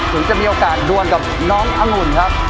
ถึงจะมีโอกาสดวนกับน้ององุ่นครับ